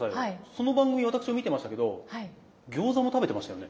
その番組私も見てましたけど餃子も食べてましたよね？